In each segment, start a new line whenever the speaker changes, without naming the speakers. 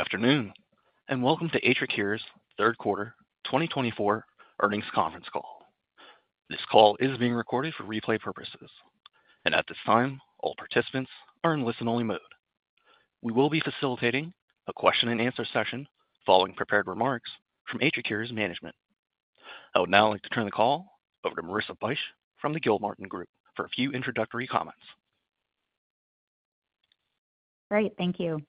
Good afternoon and welcome to AtriCure's third quarter 2024 earnings conference call. This call is being recorded for replay purposes, and at this time, all participants are in listen-only mode. We will be facilitating a question-and-answer session following prepared remarks from AtriCure's management. I would now like to turn the call over to Marissa Bych from the Gilmartin Group for a few introductory comments.
Great. Thank you.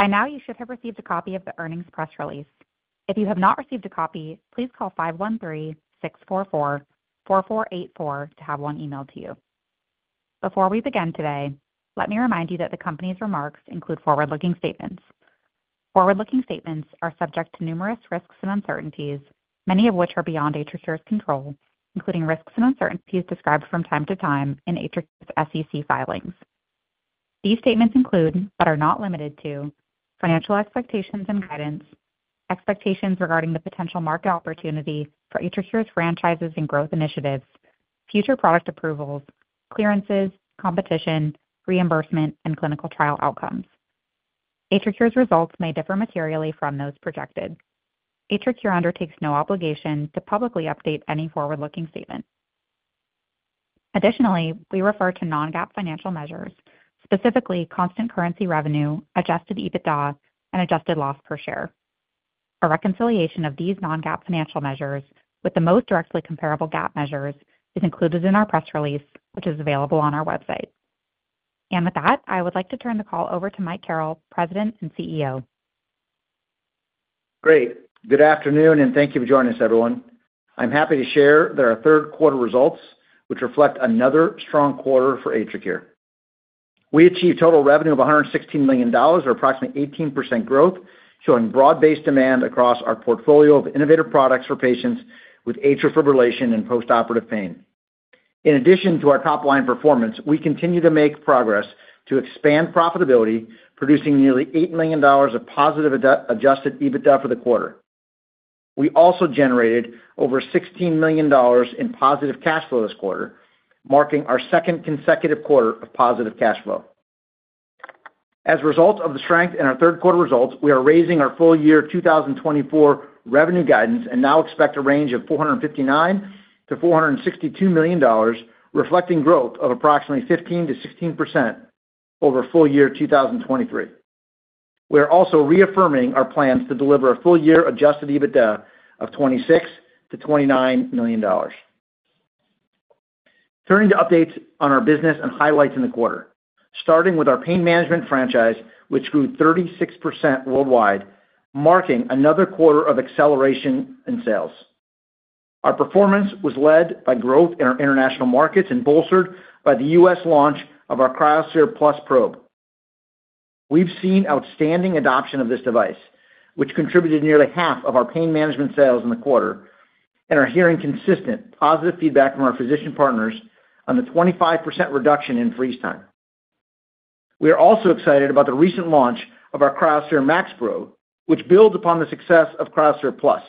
By now, you should have received a copy of the earnings press release. If you have not received a copy, please call 513-644-4484 to have one emailed to you. Before we begin today, let me remind you that the company's remarks include forward-looking statements. Forward-looking statements are subject to numerous risks and uncertainties, many of which are beyond AtriCure's control, including risks and uncertainties described from time to time in AtriCure's SEC filings. These statements include, but are not limited to, financial expectations and guidance, expectations regarding the potential market opportunity for AtriCure's franchises and growth initiatives, future product approvals, clearances, competition, reimbursement, and clinical trial outcomes. AtriCure's results may differ materially from those projected. AtriCure undertakes no obligation to publicly update any forward-looking statement. Additionally, we refer to non-GAAP financial measures, specifically constant currency revenue, adjusted EBITDA, and adjusted loss per share. A reconciliation of these non-GAAP financial measures with the most directly comparable GAAP measures is included in our press release, which is available on our website. And with that, I would like to turn the call over to Mike Carrel, President and CEO.
Great. Good afternoon, and thank you for joining us, everyone. I'm happy to share that our third quarter results, which reflect another strong quarter for AtriCure. We achieved total revenue of $116 million, or approximately 18% growth, showing broad-based demand across our portfolio of innovative products for patients with atrial fibrillation and postoperative pain. In addition to our top-line performance, we continue to make progress to expand profitability, producing nearly $8 million of positive adjusted EBITDA for the quarter. We also generated over $16 million in positive cash flow this quarter, marking our second consecutive quarter of positive cash flow. As a result of the strength in our third quarter results, we are raising our full-year 2024 revenue guidance and now expect a range of $459 million-$462 million, reflecting growth of approximately 15%-16% over full-year 2023. We are also reaffirming our plans to deliver a full-year Adjusted EBITDA of $26 million-$29 million. Turning to updates on our business and highlights in the quarter, starting with our pain management franchise, which grew 36% worldwide, marking another quarter of acceleration in sales. Our performance was led by growth in our international markets and bolstered by the U.S. launch of our cryoSPHERE+ probe. We've seen outstanding adoption of this device, which contributed nearly half of our pain management sales in the quarter, and are hearing consistent positive feedback from our physician partners on the 25% reduction in freeze time. We are also excited about the recent launch of our cryoSPHERE MAX probe, which builds upon the success of cryoSPHERE+.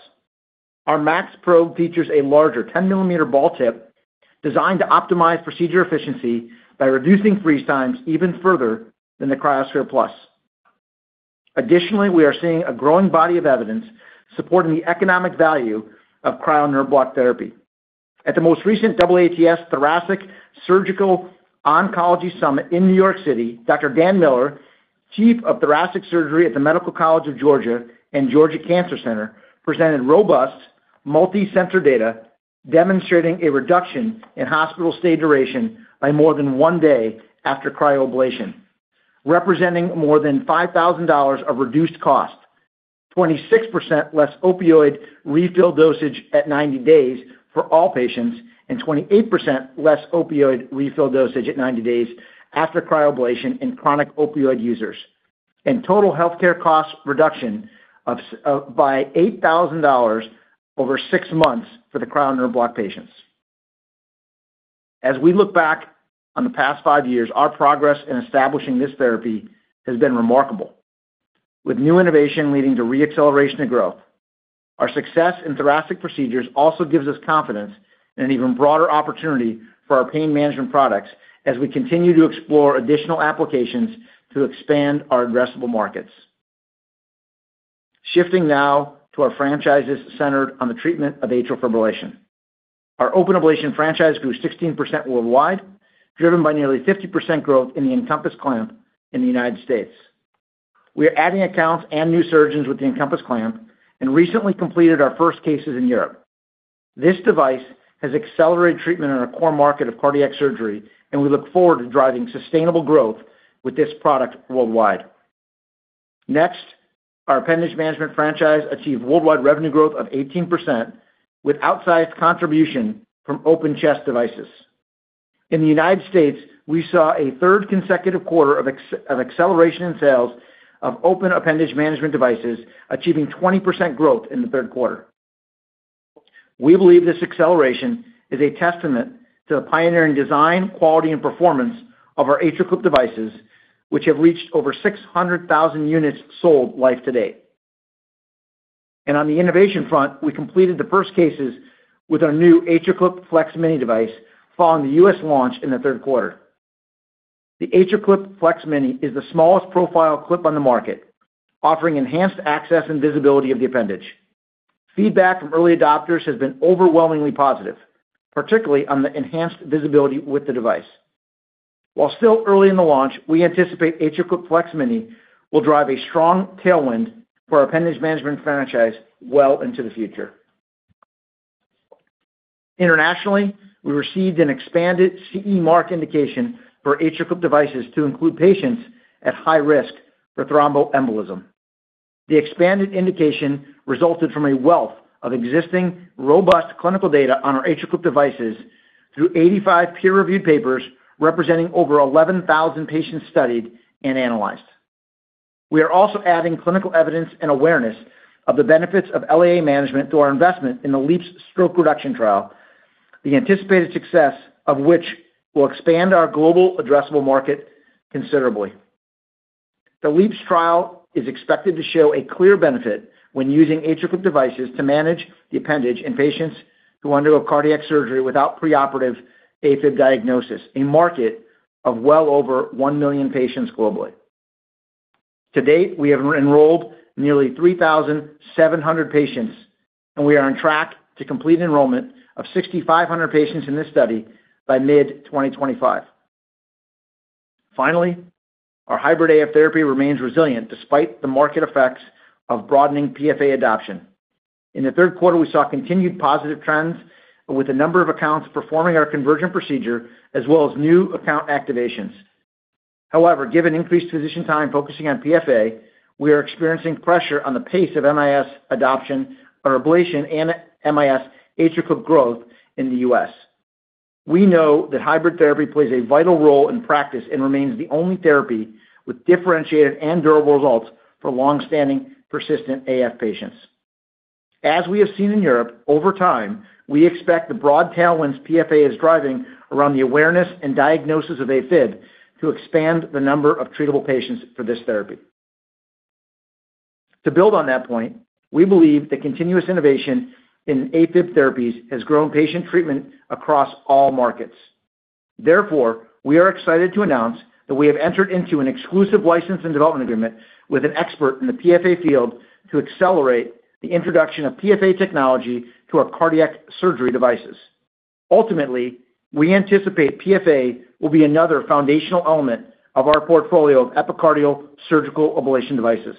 Our Max probe features a larger 10 mm ball tip designed to optimize procedure efficiency by reducing freeze times even further than the cryoSPHERE+. Additionally, we are seeing a growing body of evidence supporting Cryo Nerve Block therapy. at the most recent AATS Thoracic Surgical Oncology Summit in New York City, Dr. Dan Miller, Chief of Thoracic Surgery at the Medical College of Georgia and Georgia Cancer Center, presented robust multi-center data demonstrating a reduction in hospital stay duration by more than one day after cryoablation, representing more than $5,000 of reduced cost, 26% less opioid refill dosage at 90 days for all patients, and 28% less opioid refill dosage at 90 days after cryoablation in chronic opioid users, and total healthcare cost reduction by $8,000 over six months Cryo Nerve Block patients. As we look back on the past five years, our progress in establishing this therapy has been remarkable, with new innovation leading to re-acceleration of growth. Our success in thoracic procedures also gives us confidence in an even broader opportunity for our pain management products as we continue to explore additional applications to expand our addressable markets. Shifting now to our franchises centered on the treatment of atrial fibrillation, our open ablation franchise grew 16% worldwide, driven by nearly 50% growth in the EnCompass Clamp in the United States. We are adding accounts and new surgeons with the EnCompass Clamp and recently completed our first cases in Europe. This device has accelerated treatment in our core market of cardiac surgery, and we look forward to driving sustainable growth with this product worldwide. Next, our appendage management franchise achieved worldwide revenue growth of 18% with outsized contribution from open chest devices. In the United States, we saw a third consecutive quarter of acceleration in sales of open appendage management devices, achieving 20% growth in the third quarter. We believe this acceleration is a testament to the pioneering design, quality, and performance of our AtriClip devices, which have reached over 600,000 units sold lifetime to date, and on the innovation front, we completed the first cases with our new AtriClip FLEX-Mini Device following the U.S. launch in the third quarter. The AtriClip FLEX-Mini is the smallest profile clip on the market, offering enhanced access and visibility of the appendage. Feedback from early adopters has been overwhelmingly positive, particularly on the enhanced visibility with the device. While still early in the launch, we anticipate AtriClip FLEX-Mini will drive a strong tailwind for our appendage management franchise well into the future. Internationally, we received an expanded CE mark indication for AtriClip devices to include patients at high risk for thromboembolism. The expanded indication resulted from a wealth of existing robust clinical data on our AtriClip devices through 85 peer-reviewed papers representing over 11,000 patients studied and analyzed. We are also adding clinical evidence and awareness of the benefits of LAA management through our investment in the LeAAPS stroke reduction trial, the anticipated success of which will expand our global addressable market considerably. The LeAAPS trial is expected to show a clear benefit when using AtriClip devices to manage the appendage in patients who undergo cardiac surgery without preoperative Afib diagnosis, a market of well over 1 million patients globally. To date, we have enrolled nearly 3,700 patients, and we are on track to complete enrollment of 6,500 patients in this study by mid-2025. Finally, our Hybrid AF therapy remains resilient despite the market effects of broadening PFA adoption. In the third quarter, we saw continued positive trends with a number of accounts performing our Convergent procedure as well as new account activations. However, given increased physician time focusing on PFA, we are experiencing pressure on the pace of MIS adoption, our ablation, and MIS AtriClip growth in the U.S. We know that Hybrid therapy plays a vital role in practice and remains the only therapy with differentiated and durable results for longstanding persistent AF patients. As we have seen in Europe, over time, we expect the broad tailwinds PFA is driving around the awareness and diagnosis of Afib to expand the number of treatable patients for this therapy. To build on that point, we believe that continuous innovation in Afib therapies has grown patient treatment across all markets. Therefore, we are excited to announce that we have entered into an exclusive license and development agreement with an expert in the PFA field to accelerate the introduction of PFA technology to our cardiac surgery devices. Ultimately, we anticipate PFA will be another foundational element of our portfolio of epicardial surgical ablation devices.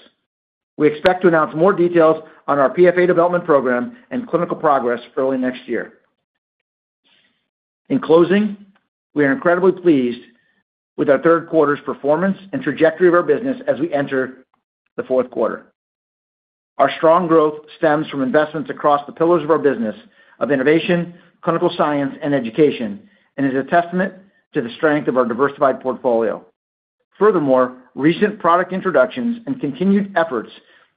We expect to announce more details on our PFA development program and clinical progress early next year. In closing, we are incredibly pleased with our third quarter's performance and trajectory of our business as we enter the fourth quarter. Our strong growth stems from investments across the pillars of our business of innovation, clinical science, and education, and is a testament to the strength of our diversified portfolio. Furthermore, recent product introductions and continued efforts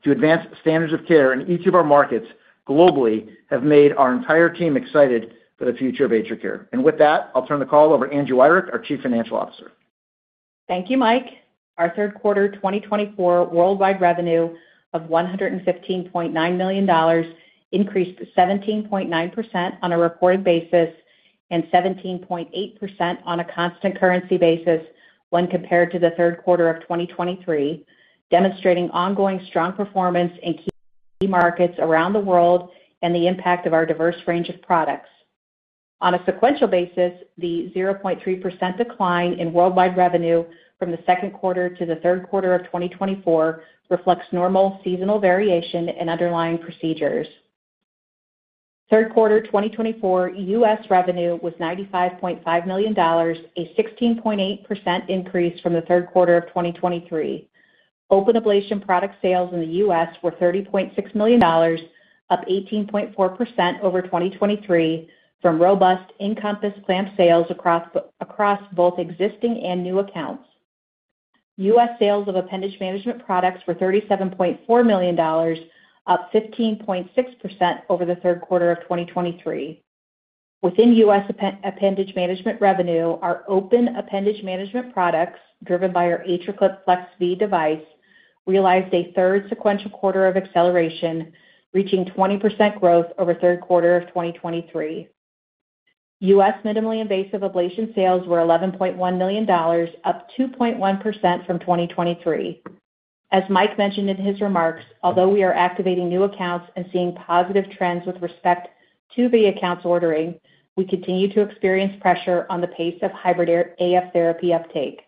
to advance standards of care in each of our markets globally have made our entire team excited for the future of AtriCure. With that, I'll turn the call over to Angela Wirick, our Chief Financial Officer.
Thank you, Mike. Our third quarter 2024 worldwide revenue of $115.9 million increased 17.9% on a reported basis and 17.8% on a constant currency basis when compared to the third quarter of 2023, demonstrating ongoing strong performance in key markets around the world and the impact of our diverse range of products. On a sequential basis, the 0.3% decline in worldwide revenue from the second quarter to the third quarter of 2024 reflects normal seasonal variation in underlying procedures. Third quarter 2024 U.S. revenue was $95.5 million, a 16.8% increase from the third quarter of 2023. Open ablation product sales in the U.S. were $30.6 million, up 18.4% over 2023 from robust EnCompass Clamp sales across both existing and new accounts. U.S. sales of appendage management products were $37.4 million, up 15.6% over the third quarter of 2023. Within U.S. appendage management revenue, our open appendage management products driven by our AtriClip FLEX-V device realized a third sequential quarter of acceleration, reaching 20% growth over third quarter of 2023. U.S. minimally invasive ablation sales were $11.1 million, up 2.1% from 2023. As Mike mentioned in his remarks, although we are activating new accounts and seeing positive trends with respect to the accounts ordering, we continue to experience pressure on the pace of Hybrid AF therapy uptake,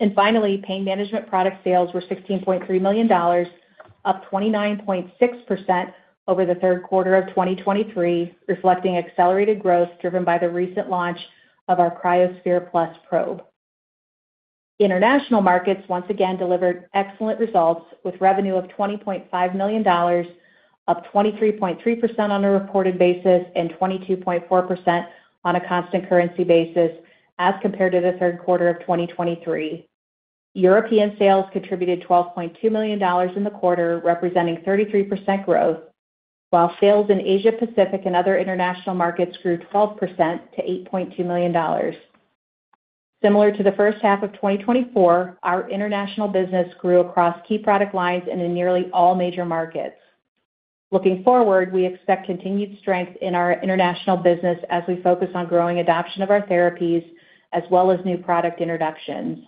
and finally, pain management product sales were $16.3 million, up 29.6% over the third quarter of 2023, reflecting accelerated growth driven by the recent launch of our cryoSPHERE+ probe. International markets once again delivered excellent results with revenue of $20.5 million, up 23.3% on a reported basis and 22.4% on a constant currency basis as compared to the third quarter of 2023. European sales contributed $12.2 million in the quarter, representing 33% growth, while sales in Asia-Pacific and other international markets grew 12% to $8.2 million. Similar to the first half of 2024, our international business grew across key product lines in nearly all major markets. Looking forward, we expect continued strength in our international business as we focus on growing adoption of our therapies as well as new product introductions.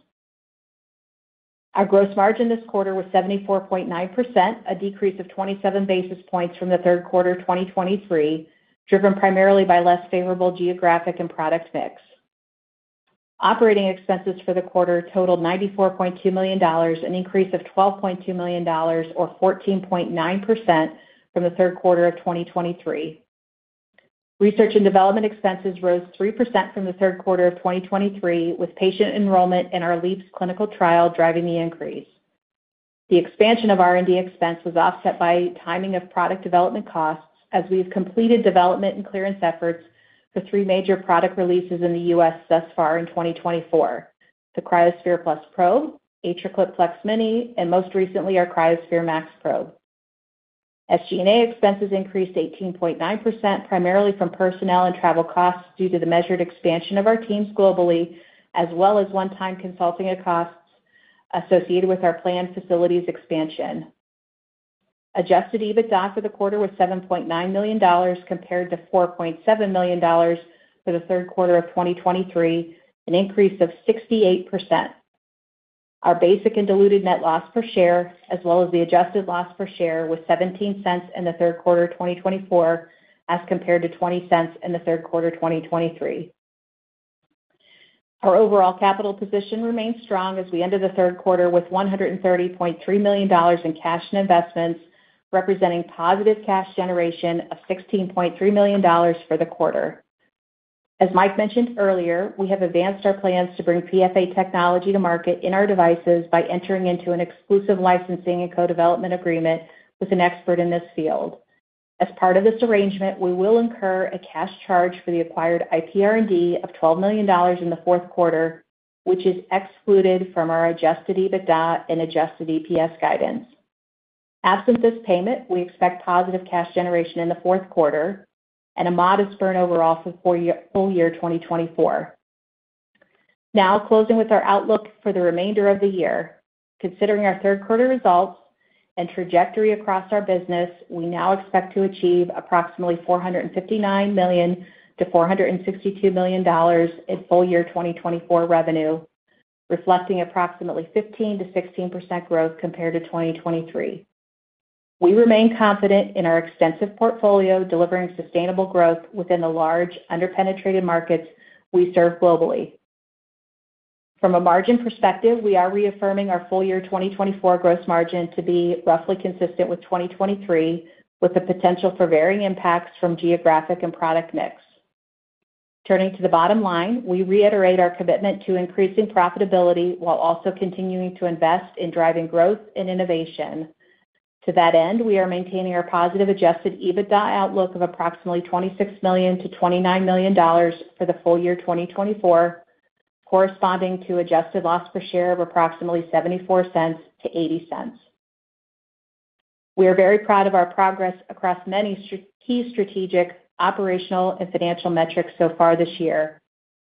Our gross margin this quarter was 74.9%, a decrease of 27 basis points from the third quarter 2023, driven primarily by less favorable geographic and product mix. Operating expenses for the quarter totaled $94.2 million, an increase of $12.2 million or 14.9% from the third quarter of 2023. Research and development expenses rose 3% from the third quarter of 2023, with patient enrollment in our LeAAPS clinical trial driving the increase. The expansion of R&D expense was offset by timing of product development costs as we have completed development and clearance efforts for three major product releases in the U.S. thus far in 2024: the cryoSPHERE+ probe, AtriClip FLEX-Mini, and most recently our cryoSPHERE MAX probe. SG&A expenses increased 18.9%, primarily from personnel and travel costs due to the measured expansion of our teams globally, as well as one-time consulting costs associated with our planned facilities expansion. Adjusted EBITDA for the quarter was $7.9 million compared to $4.7 million for the third quarter of 2023, an increase of 68%. Our basic and diluted net loss per share, as well as the adjusted loss per share, was $0.17 in the third quarter 2024 as compared to $0.20 in the third quarter 2023. Our overall capital position remained strong as we ended the third quarter with $130.3 million in cash and investments, representing positive cash generation of $16.3 million for the quarter. As Mike mentioned earlier, we have advanced our plans to bring PFA technology to market in our devices by entering into an exclusive licensing and co-development agreement with an expert in this field. As part of this arrangement, we will incur a cash charge for the acquired IP R&D of $12 million in the fourth quarter, which is excluded from our adjusted EBITDA and adjusted EPS guidance. Absent this payment, we expect positive cash generation in the fourth quarter and a modest burn overall for full year 2024. Now, closing with our outlook for the remainder of the year, considering our third quarter results and trajectory across our business, we now expect to achieve approximately $459 million-$462 million in full year 2024 revenue, reflecting approximately 15%-16% growth compared to 2023. We remain confident in our extensive portfolio, delivering sustainable growth within the large underpenetrated markets we serve globally. From a margin perspective, we are reaffirming our full year 2024 gross margin to be roughly consistent with 2023, with the potential for varying impacts from geographic and product mix. Turning to the bottom line, we reiterate our commitment to increasing profitability while also continuing to invest in driving growth and innovation. To that end, we are maintaining our positive Adjusted EBITDA outlook of approximately $26 million-$29 million for the full year 2024, corresponding to adjusted loss per share of approximately $0.74-$0.80. We are very proud of our progress across many key strategic, operational, and financial metrics so far this year.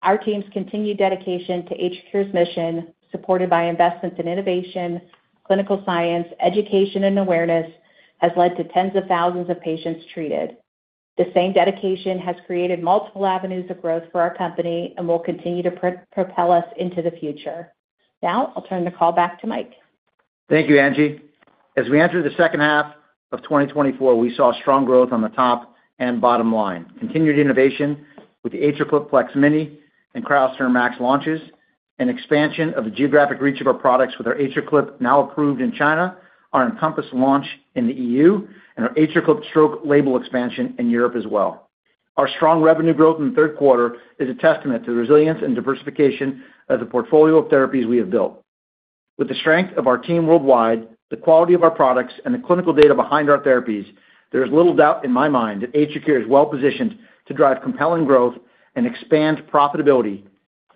Our team's continued dedication to AtriCure's mission, supported by investments in innovation, clinical science, education, and awareness, has led to tens of thousands of patients treated. The same dedication has created multiple avenues of growth for our company and will continue to propel us into the future. Now, I'll turn the call back to Mike.
Thank you, Angie. As we entered the second half of 2024, we saw strong growth on the top and bottom line. Continued innovation with the AtriClip FLEX-Mini and cryoSPHERE MAX launches, an expansion of the geographic reach of our products with our AtriClip now approved in China, our EnCompass launch in the EU, and our AtriClip stroke label expansion in Europe as well. Our strong revenue growth in the third quarter is a testament to the resilience and diversification of the portfolio of therapies we have built. With the strength of our team worldwide, the quality of our products, and the clinical data behind our therapies, there is little doubt in my mind that AtriCure is well positioned to drive compelling growth and expand profitability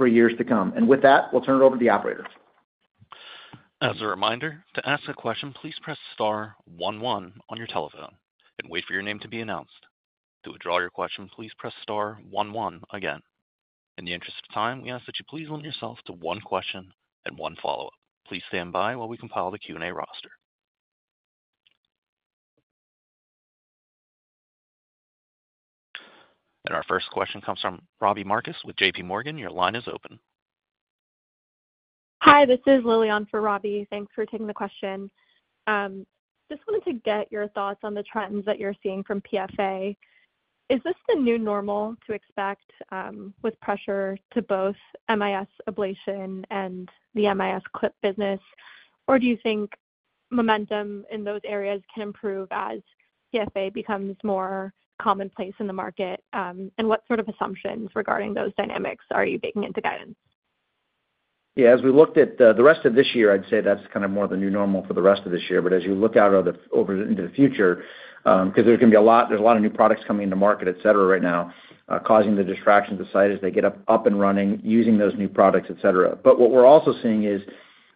for years to come. And with that, we'll turn it over to the operators.
As a reminder, to ask a question, please press star one one on your telephone and wait for your name to be announced. To withdraw your question, please press star one one again. In the interest of time, we ask that you please limit yourself to one question and one follow-up. Please stand by while we compile the Q&A roster. And our first question comes from Robbie Marcus with JPMorgan. Your line is open. Hi, this is Lillian for Robbie. Thanks for taking the question. Just wanted to get your thoughts on the trends that you're seeing from PFA. Is this the new normal to expect with pressure to both MIS ablation and the MIS Clip business, or do you think momentum in those areas can improve as PFA becomes more commonplace in the market? And what sort of assumptions regarding those dynamics are you making into guidance?
Yeah, as we looked at the rest of this year, I'd say that's kind of more the new normal for the rest of this year, but as you look out over into the future, because there's going to be a lot, there's a lot of new products coming into market, et cetera, right now, causing the distractions to the site as they get up and running using those new products, et cetera. But what we're also seeing is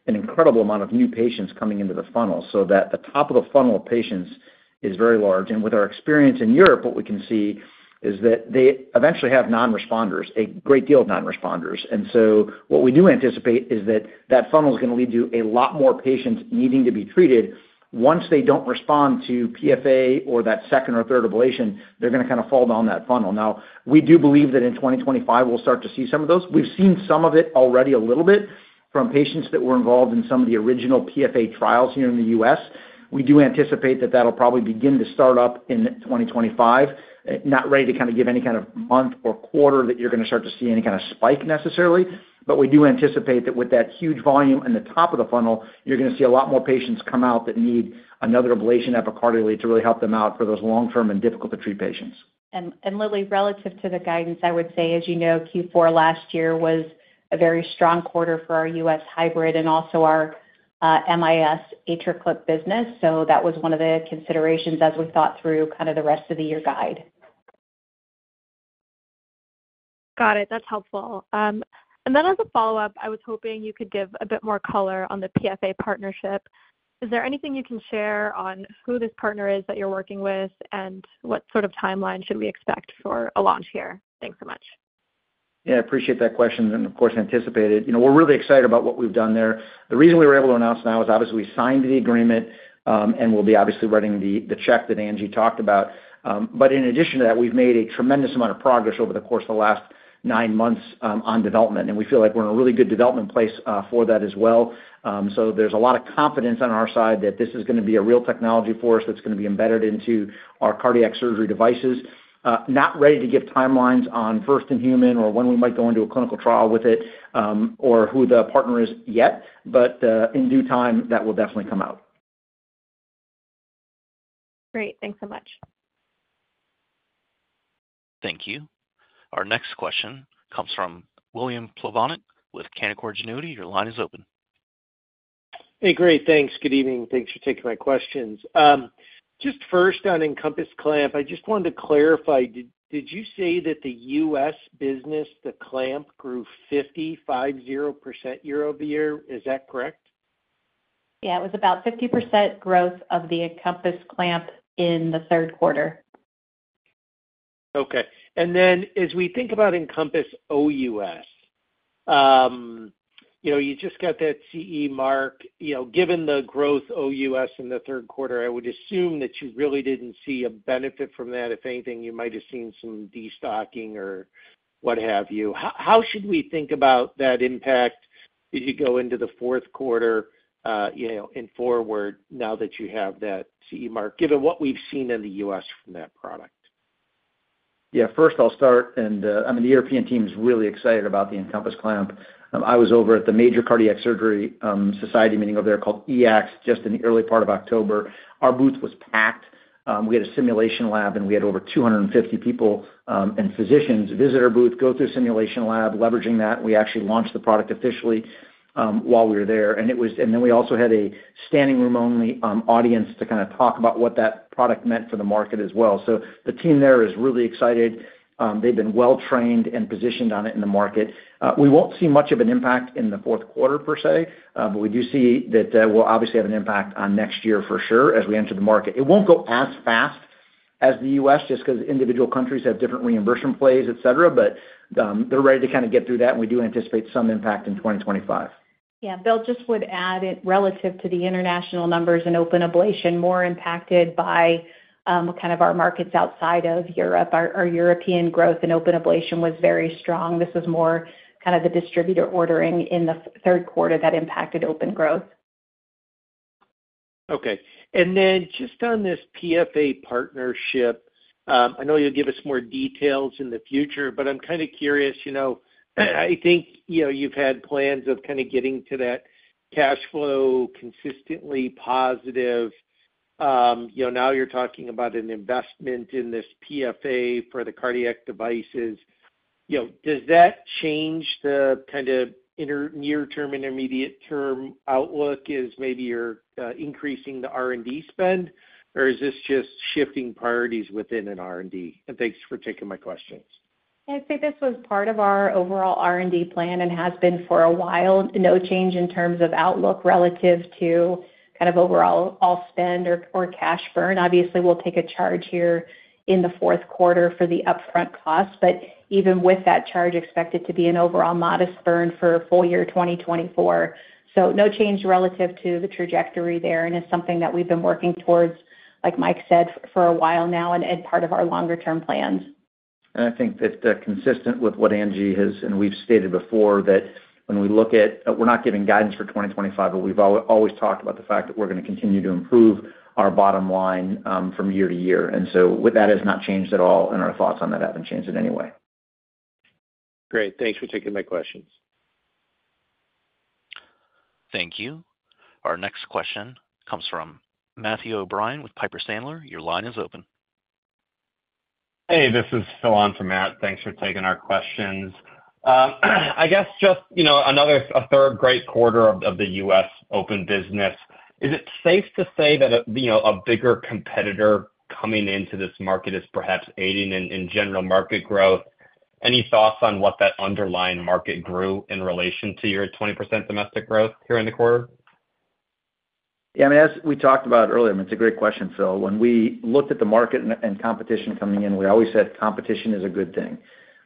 an incredible amount of new patients coming into the funnel, so that the top of the funnel of patients is very large, and with our experience in Europe, what we can see is that they eventually have non-responders, a great deal of non-responders, and so what we do anticipate is that that funnel is going to lead to a lot more patients needing to be treated. Once they don't respond to PFA or that second or third ablation, they're going to kind of fall down that funnel. Now, we do believe that in 2025, we'll start to see some of those. We've seen some of it already a little bit from patients that were involved in some of the original PFA trials here in the U.S. We do anticipate that that'll probably begin to start up in 2025. Not ready to kind of give any kind of month or quarter that you're going to start to see any kind of spike necessarily, but we do anticipate that with that huge volume in the top of the funnel, you're going to see a lot more patients come out that need another ablation epicardially to really help them out for those long-term and difficult-to-treat patients.
Lily, relative to the guidance, I would say, as you know, Q4 last year was a very strong quarter for our U.S. Hybrid and also our MIS AtriClip business. That was one of the considerations as we thought through kind of the rest of the year guide. Got it. That's helpful. And then as a follow-up, I was hoping you could give a bit more color on the PFA partnership. Is there anything you can share on who this partner is that you're working with, and what sort of timeline should we expect for a launch here? Thanks so much.
Yeah, I appreciate that question. And of course, anticipated. We're really excited about what we've done there. The reason we were able to announce now is obviously we signed the agreement and we'll be obviously running the check that Angie talked about. But in addition to that, we've made a tremendous amount of progress over the course of the last nine months on development, and we feel like we're in a really good development place for that as well. So there's a lot of confidence on our side that this is going to be a real technology for us that's going to be embedded into our cardiac surgery devices. Not ready to give timelines on first in human or when we might go into a clinical trial with it or who the partner is yet, but in due time, that will definitely come out. Great. Thanks so much.
Thank you. Our next question comes from William Plovanic with Canaccord Genuity. Your line is open.
Hey, great. Thanks. Good evening. Thanks for taking my questions. Just first on EnCompass Clamp, I just wanted to clarify, did you say that the U.S. business, the clamp, grew 50% year-over-year? Is that correct?
Yeah, it was about 50% growth of the EnCompass Clamp in the third quarter.
Okay. And then as we think about EnCompass OUS, you just got that CE mark. Given the growth OUS in the third quarter, I would assume that you really didn't see a benefit from that. If anything, you might have seen some destocking or what have you. How should we think about that impact as you go into the fourth quarter and forward now that you have that CE mark, given what we've seen in the U.S. from that product?
Yeah, first I'll start, and I mean, the European team is really excited about the EnCompass Clamp. I was over at the Major Cardiac Surgery Society meeting over there called EACTS just in the early part of October. Our booth was packed. We had a simulation lab, and we had over 250 people and physicians visit our booth, go through a simulation lab, leveraging that. We actually launched the product officially while we were there. And then we also had a standing room-only audience to kind of talk about what that product meant for the market as well, so the team there is really excited. They've been well trained and positioned on it in the market. We won't see much of an impact in the fourth quarter per se, but we do see that we'll obviously have an impact on next year for sure as we enter the market. It won't go as fast as the U.S. just because individual countries have different reimbursement plays, et cetera, but they're ready to kind of get through that, and we do anticipate some impact in 2025.
Yeah. Bill just would add it relative to the international numbers in open ablation, more impacted by kind of our markets outside of Europe. Our European growth in open ablation was very strong. This was more kind of the distributor ordering in the third quarter that impacted open growth.
Okay. And then just on this PFA partnership, I know you'll give us more details in the future, but I'm kind of curious. I think you've had plans of kind of getting to that cash flow consistently positive. Now you're talking about an investment in this PFA for the cardiac devices. Does that change the kind of near-term, intermediate-term outlook as maybe you're increasing the R&D spend, or is this just shifting priorities within an R&D? And thanks for taking my questions.
I'd say this was part of our overall R&D plan and has been for a while. No change in terms of outlook relative to kind of overall spend or cash burn. Obviously, we'll take a charge here in the fourth quarter for the upfront costs, but even with that charge, expect it to be an overall modest burn for full year 2024, so no change relative to the trajectory there, and it's something that we've been working towards, like Mike said, for a while now and part of our longer-term plans.
And I think that, consistent with what Angie has and we've stated before, that when we look at, we're not giving guidance for 2025, but we've always talked about the fact that we're going to continue to improve our bottom line from year to year. And so that has not changed at all, and our thoughts on that haven't changed in any way.
Great. Thanks for taking my questions.
Thank you. Our next question comes from Matthew O'Brien with Piper Sandler. Your line is open. Hey, this is Phil on from Matt. Thanks for taking our questions. I guess just another third, great quarter of the U.S. open business. Is it safe to say that a bigger competitor coming into this market is perhaps aiding in general market growth? Any thoughts on what that underlying market grew in relation to your 20% domestic growth here in the quarter?
Yeah, I mean, as we talked about earlier, I mean, it's a great question, Phil. When we looked at the market and competition coming in, we always said competition is a good thing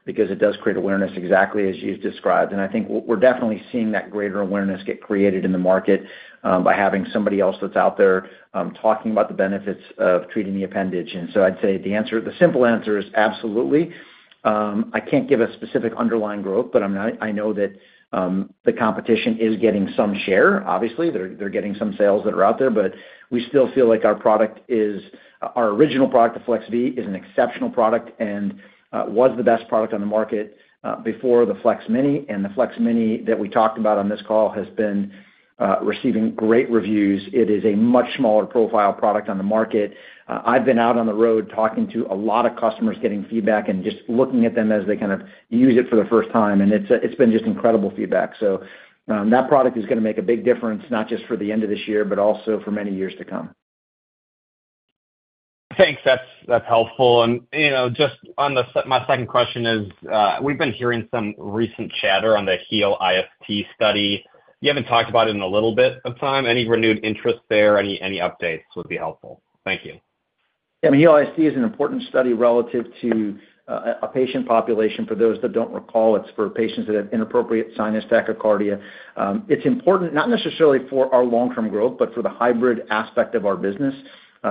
because it does create awareness exactly as you've described. And I think we're definitely seeing that greater awareness get created in the market by having somebody else that's out there talking about the benefits of treating the appendage. And so I'd say the simple answer is absolutely. I can't give a specific underlying growth, but I know that the competition is getting some share. Obviously, they're getting some sales that are out there, but we still feel like our product, our original product, the FLEX-V, is an exceptional product and was the best product on the market before the FLEX-Mini. The FLEX-Mini that we talked about on this call has been receiving great reviews. It is a much smaller profile product on the market. I've been out on the road talking to a lot of customers, getting feedback, and just looking at them as they kind of use it for the first time. It's been just incredible feedback. That product is going to make a big difference, not just for the end of this year, but also for many years to come. Thanks. That's helpful. And just my second question is we've been hearing some recent chatter on the HEAL-IST study. You haven't talked about it in a little bit of time. Any renewed interest there? Any updates would be helpful. Thank you. Yeah, I mean, HEAL-IST is an important study relative to a patient population. For those that don't recall, it's for patients that have inappropriate sinus tachycardia. It's important not necessarily for our long-term growth, but for the Hybrid aspect of our business.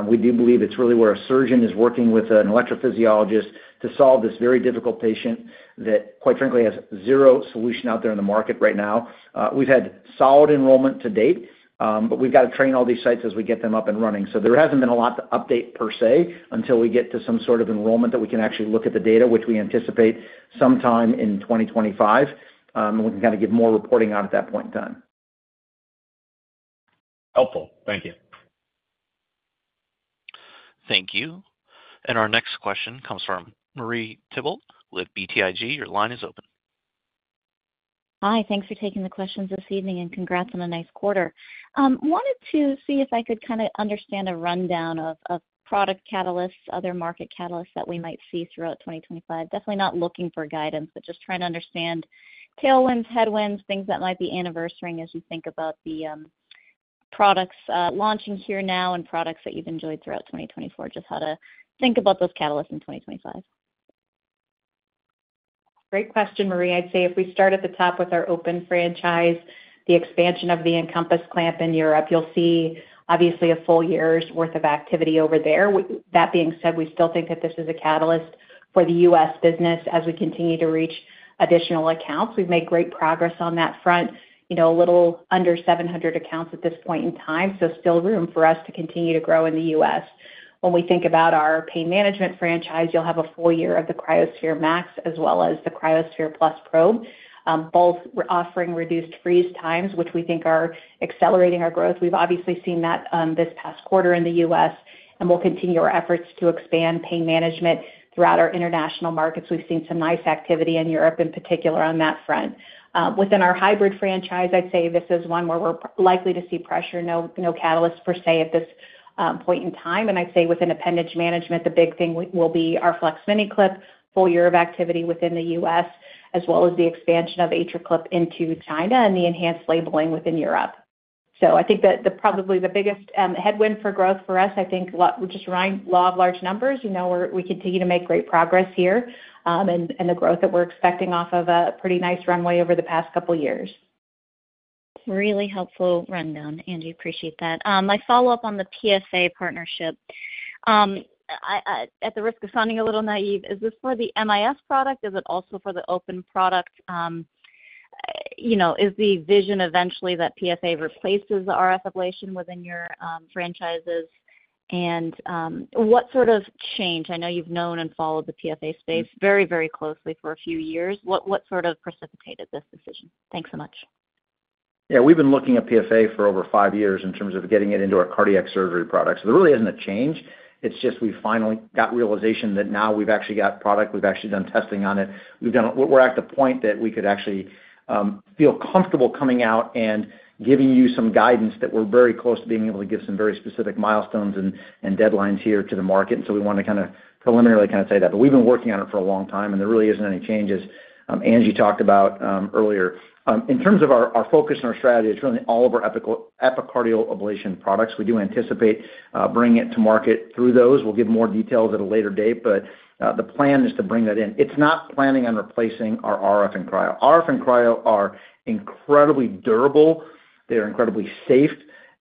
We do believe it's really where a surgeon is working with an electrophysiologist to solve this very difficult patient that, quite frankly, has zero solution out there in the market right now. We've had solid enrollment to date, but we've got to train all these sites as we get them up and running. So there hasn't been a lot to update per se until we get to some sort of enrollment that we can actually look at the data, which we anticipate sometime in 2025, and we can kind of give more reporting out at that point in time. Helpful. Thank you.
Thank you. And our next question comes from Marie Thibault with BTIG. Your line is open.
Hi. Thanks for taking the questions this evening and congrats on a nice quarter. Wanted to see if I could kind of understand a rundown of product catalysts, other market catalysts that we might see throughout 2025. Definitely not looking for guidance, but just trying to understand tailwinds, headwinds, things that might be anniversarying as you think about the products launching here now and products that you've enjoyed throughout 2024, just how to think about those catalysts in 2025.
Great question, Marie. I'd say if we start at the top with our open franchise, the expansion of the EnCompass Clamp in Europe, you'll see obviously a full year's worth of activity over there. That being said, we still think that this is a catalyst for the U.S. business as we continue to reach additional accounts. We've made great progress on that front, a little under 700 accounts at this point in time, so still room for us to continue to grow in the U.S. When we think about our pain management franchise, you'll have a full year of the cryoSPHERE MAX as well as the cryoSPHERE+ probe, both offering reduced freeze times, which we think are accelerating our growth. We've obviously seen that this past quarter in the U.S., and we'll continue our efforts to expand pain management throughout our international markets. We've seen some nice activity in Europe in particular on that front. Within our Hybrid franchise, I'd say this is one where we're likely to see pressure, no catalyst per se at this point in time, and I'd say within appendage management, the big thing will be our FLEX-Mini Clip, full year of activity within the U.S., as well as the expansion of AtriClip into China and the enhanced labeling within Europe, so I think that probably the biggest headwind for growth for us, I think just law of large numbers, we continue to make great progress here and the growth that we're expecting off of a pretty nice runway over the past couple of years.
Really helpful rundown. Angie, appreciate that. My follow-up on the PFA partnership, at the risk of sounding a little naive, is this for the MIS product? Is it also for the open product? Is the vision eventually that PFA replaces the RF ablation within your franchises? And what sort of change? I know you've known and followed the PFA space very, very closely for a few years. What sort of precipitated this decision? Thanks so much.
Yeah, we've been looking at PFA for over five years in terms of getting it into our cardiac surgery products. So there really isn't a change. It's just we finally got realization that now we've actually got product. We've actually done testing on it. We're at the point that we could actually feel comfortable coming out and giving you some guidance that we're very close to being able to give some very specific milestones and deadlines here to the market. And so we want to kind of preliminarily kind of tell you that. But we've been working on it for a long time, and there really isn't any changes. Angie talked about earlier. In terms of our focus and our strategy, it's really all of our epicardial ablation products. We do anticipate bringing it to market through those. We'll give more details at a later date, but the plan is to bring that in. It's not planning on replacing our RF and cryo. RF and cryo are incredibly durable. They're incredibly safe,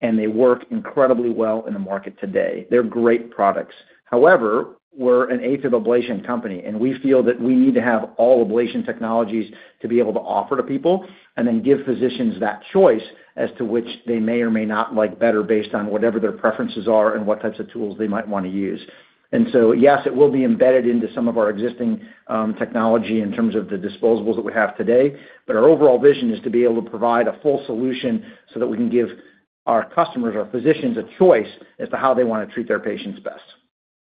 and they work incredibly well in the market today. They're great products. However, we're an Afib ablation company, and we feel that we need to have all ablation technologies to be able to offer to people and then give physicians that choice as to which they may or may not like better based on whatever their preferences are and what types of tools they might want to use. And so, yes, it will be embedded into some of our existing technology in terms of the disposables that we have today, but our overall vision is to be able to provide a full solution so that we can give our customers, our physicians, a choice as to how they want to treat their patients best.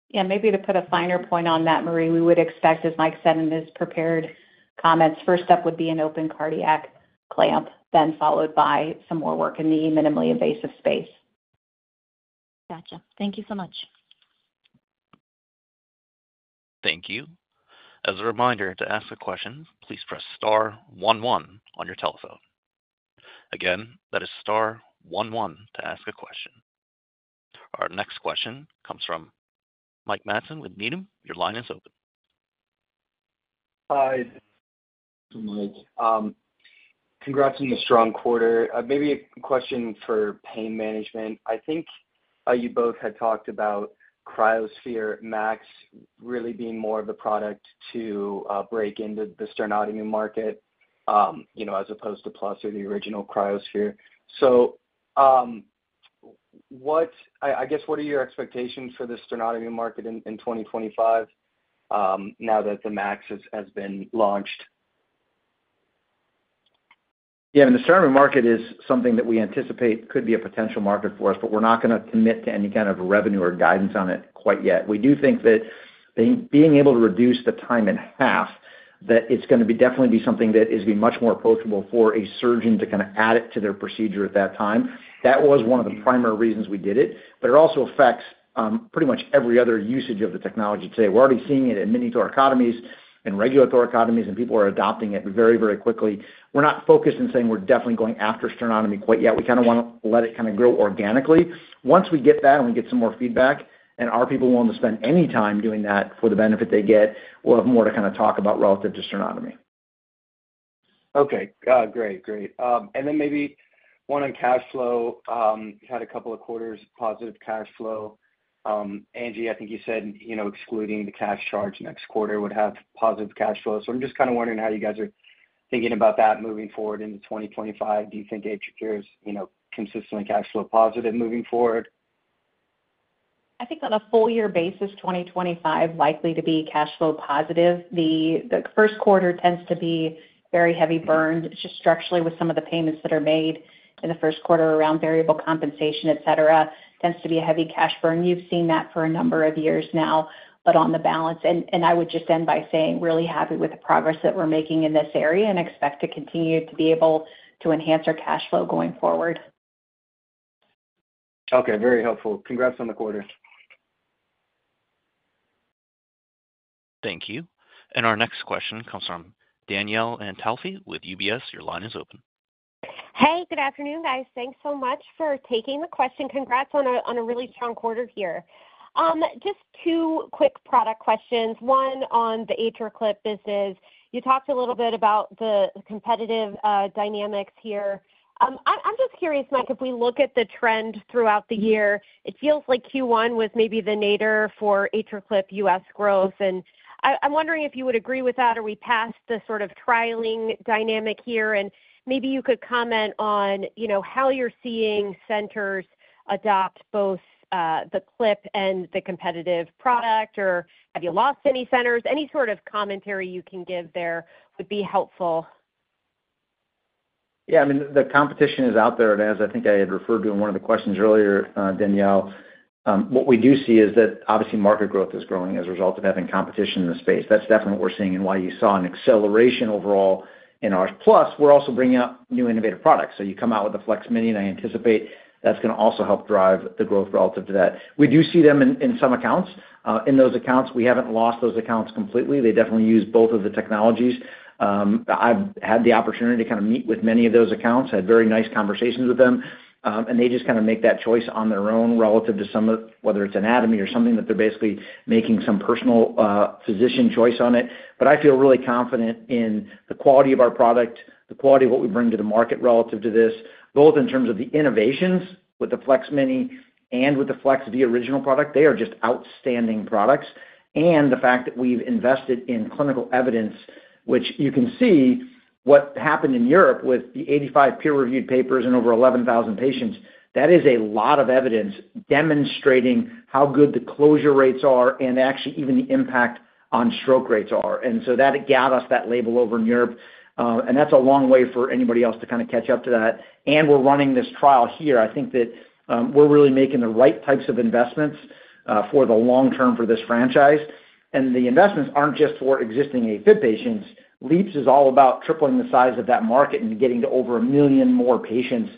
Yeah, maybe to put a finer point on that, Marie, we would expect, as Mike said in his prepared comments, first step would be an open cardiac clamp, then followed by some more work in the minimally invasive space.
Gotcha. Thank you so much.
Thank you. As a reminder, to ask a question, please press star one one on your telephone. Again, that is star one one to ask a question. Our next question comes from Mike Matson with Needham. Your line is open.
Hi. Thank you, Mike. Congrats on the strong quarter. Maybe a question for pain management. I think you both had talked about cryoSPHERE MAX really being more of a product to break into the sternotomy market as opposed to Plus or the original cryoSPHERE. So I guess, what are your expectations for the sternotomy market in 2025 now that the Max has been launched?
Yeah, I mean, the sternotomy market is something that we anticipate could be a potential market for us, but we're not going to commit to any kind of revenue or guidance on it quite yet. We do think that being able to reduce the time in half, that it's going to definitely be something that is going to be much more approachable for a surgeon to kind of add it to their procedure at that time. That was one of the primary reasons we did it, but it also affects pretty much every other usage of the technology today. We're already seeing it in mini thoracotomies and regular thoracotomies, and people are adopting it very, very quickly. We're not focused in saying we're definitely going after sternotomy quite yet. We kind of want to let it kind of grow organically. Once we get that and we get some more feedback and our people willing to spend any time doing that for the benefit they get, we'll have more to kind of talk about relative to sternotomy.
Okay. Great. Great. And then maybe one on cash flow. You had a couple of quarters positive cash flow. Angie, I think you said excluding the cash charge next quarter would have positive cash flow. So I'm just kind of wondering how you guys are thinking about that moving forward into 2025. Do you think AtriCure's consistently cash flow positive moving forward?
I think on a full year basis, 2025 likely to be cash flow positive. The first quarter tends to be very heavy burn, just structurally with some of the payments that are made in the first quarter around variable compensation, etc., tends to be a heavy cash burn. You've seen that for a number of years now, but on balance and I would just end by saying really happy with the progress that we're making in this area and expect to continue to be able to enhance our cash flow going forward.
Okay. Very helpful. Congrats on the quarter.
Thank you. And our next question comes from Danielle Antalffy with UBS. Your line is open.
Hey, good afternoon, guys. Thanks so much for taking the question. Congrats on a really strong quarter here. Just two quick product questions. One on the AtriClip business. You talked a little bit about the competitive dynamics here. I'm just curious, Mike, if we look at the trend throughout the year, it feels like Q1 was maybe the nadir for AtriClip U.S. growth, and I'm wondering if you would agree with that. Are we past the sort of trialing dynamic here? And maybe you could comment on how you're seeing centers adopt both the Clip and the competitive product, or have you lost any centers? Any sort of commentary you can give there would be helpful.
Yeah, I mean, the competition is out there, and as I think I had referred to in one of the questions earlier, Danielle, what we do see is that obviously market growth is growing as a result of having competition in the space. That's definitely what we're seeing and why you saw an acceleration overall in ours. Plus, we're also bringing out new innovative products. So you come out with the FLEX-Mini, and I anticipate that's going to also help drive the growth relative to that. We do see them in some accounts. In those accounts, we haven't lost those accounts completely. They definitely use both of the technologies. I've had the opportunity to kind of meet with many of those accounts, had very nice conversations with them, and they just kind of make that choice on their own relative to some of whether it's anatomy or something that they're basically making some personal physician choice on it. But I feel really confident in the quality of our product, the quality of what we bring to the market relative to this, both in terms of the innovations with the FLEX-Mini and with the FLEX-V original product. They are just outstanding products, and the fact that we've invested in clinical evidence, which you can see what happened in Europe with the 85 peer-reviewed papers and over 11,000 patients. That is a lot of evidence demonstrating how good the closure rates are and actually even the impact on stroke rates are. And so that got us that label over in Europe. And that's a long way for anybody else to kind of catch up to that. And we're running this trial here. I think that we're really making the right types of investments for the long term for this franchise. And the investments aren't just for existing Afib patients. LeAAPS is all about tripling the size of that market and getting to over a million more patients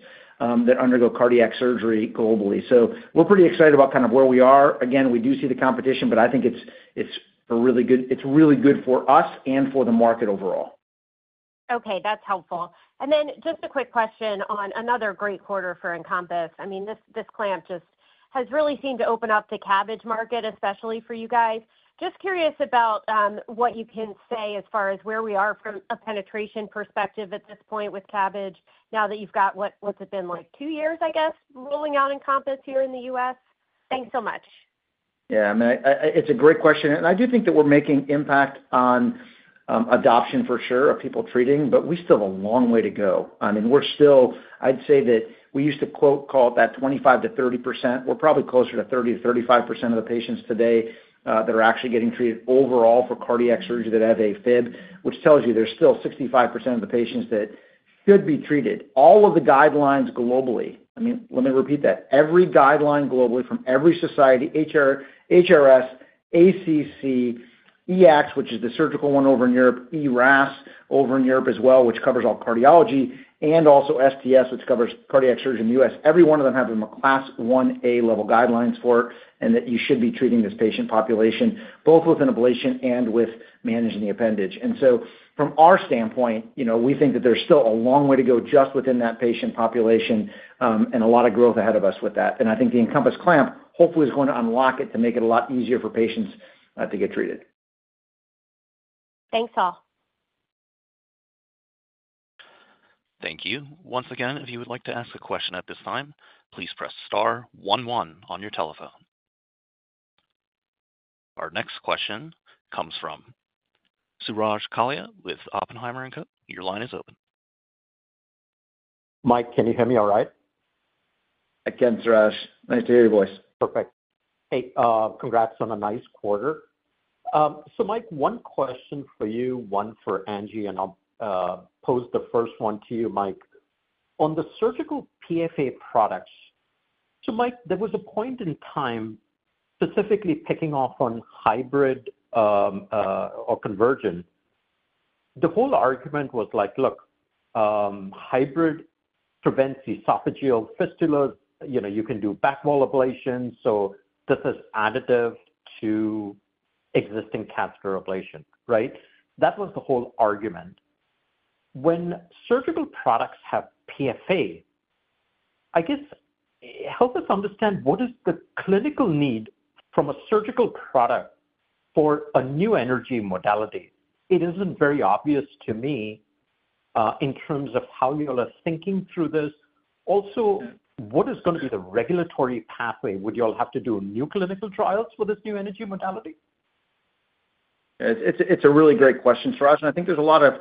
that undergo cardiac surgery globally. So we're pretty excited about kind of where we are. Again, we do see the competition, but I think it's really good for us and for the market overall.
Okay. That's helpful. And then just a quick question on another great quarter for EnCompass. I mean, this clamp just has really seemed to open up the CABG market, especially for you guys. Just curious about what you can say as far as where we are from a penetration perspective at this point with CABG now that you've got what's it been like two years, I guess, rolling out EnCompass here in the U.S. Thanks so much.
Yeah. I mean, it's a great question. And I do think that we're making impact on adoption for sure of people treating, but we still have a long way to go. I mean, we're still. I'd say that we used to quote call it that 25%-30%. We're probably closer to 30%-35% of the patients today that are actually getting treated overall for cardiac surgery that have Afib, which tells you there's still 65% of the patients that should be treated. All of the guidelines globally. I mean, let me repeat that. Every guideline globally from every society, HRS, ACC, EACTS, which is the surgical one over in Europe, EHRA over in Europe as well, which covers all cardiology, and also STS, which covers cardiac surgery in the U.S. Every one of them have a Class 1A level guidelines for it and that you should be treating this patient population both with an ablation and with managing the appendage. And so from our standpoint, we think that there's still a long way to go just within that patient population and a lot of growth ahead of us with that. And I think the EnCompass Clamp hopefully is going to unlock it to make it a lot easier for patients to get treated.
Thanks all.
Thank you. Once again, if you would like to ask a question at this time, please press star one one on your telephone. Our next question comes from Suraj Kalia with Oppenheimer & Co. Your line is open.
Mike, can you hear me all right?
I can, Suraj. Nice to hear your voice.
Perfect. Hey, congrats on a nice quarter. So Mike, one question for you, one for Angie, and I'll pose the first one to you, Mike. On the surgical PFA products, so Mike, there was a point in time specifically picking up on Hybrid or Convergent. The whole argument was like, "Look, Hybrid prevents esophageal fistulas. You can do back wall ablation. So this is additive to existing catheter ablation," right? That was the whole argument. When surgical products have PFA, I guess help us understand what is the clinical need from a surgical product for a new energy modality? It isn't very obvious to me in terms of how you all are thinking through this. Also, what is going to be the regulatory pathway? Would you all have to do new clinical trials for this new energy modality?
It's a really great question, Suraj, and I think there's a lot of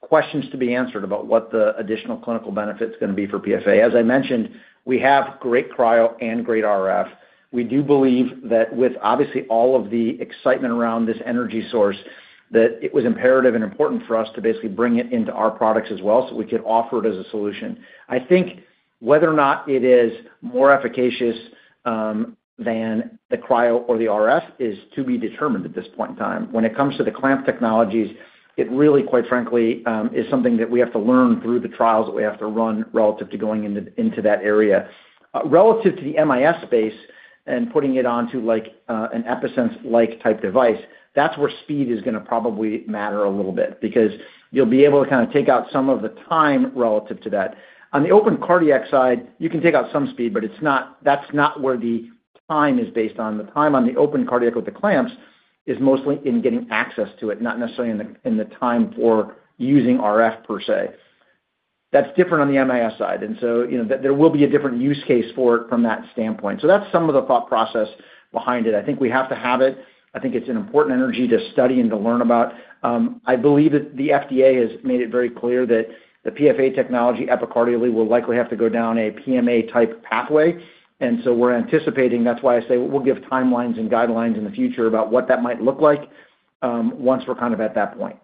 questions to be answered about what the additional clinical benefit's going to be for PFA. As I mentioned, we have great cryo and great RF. We do believe that with obviously all of the excitement around this energy source, that it was imperative and important for us to basically bring it into our products as well so we could offer it as a solution. I think whether or not it is more efficacious than the cryo or the RF is to be determined at this point in time. When it comes to the clamp technologies, it really, quite frankly, is something that we have to learn through the trials that we have to run relative to going into that area. Relative to the MIS space and putting it onto an EPi-Sense-like type device, that's where speed is going to probably matter a little bit because you'll be able to kind of take out some of the time relative to that. On the open cardiac side, you can take out some speed, but that's not where the time is based on. The time on the open cardiac with the clamps is mostly in getting access to it, not necessarily in the time for using RF per se. That's different on the MIS side. And so there will be a different use case for it from that standpoint. So that's some of the thought process behind it. I think we have to have it. I think it's an important energy to study and to learn about. I believe that the FDA has made it very clear that the PFA technology epicardially will likely have to go down a PMA-type pathway. And so we're anticipating that's why I say we'll give timelines and guidelines in the future about what that might look like once we're kind of at that point.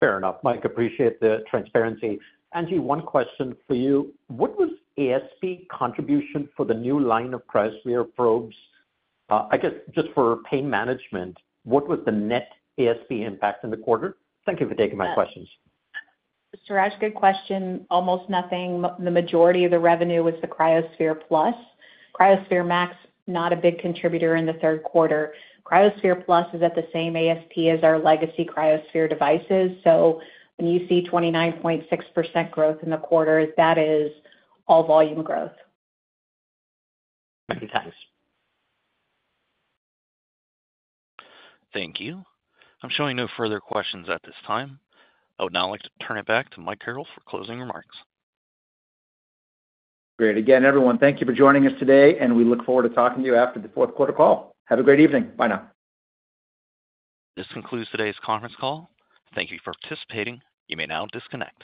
Fair enough. Mike, appreciate the transparency. Angie, one question for you. What was ASP contribution for the new line of cryoSPHERE probes? I guess just for pain management, what was the net ASP impact in the quarter? Thank you for taking my questions.
Suraj, good question. Almost nothing. The majority of the revenue was the cryoSPHERE+, cryoSPHERE MAX, not a big contributor in the third quarter. cryoSPHERE+ is at the same ASP as our legacy cryoSPHERE devices. So when you see 29.6% growth in the quarter, that is all volume growth.
Thank you.
Thank you. I'm showing no further questions at this time. Oh, now I'd like to turn it back to Mike Carrel for closing remarks.
Great. Again, everyone, thank you for joining us today, and we look forward to talking to you after the fourth quarter call. Have a great evening. Bye now.
This concludes today's conference call. Thank you for participating. You may now disconnect.